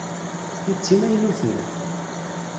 Ti d timaynutin.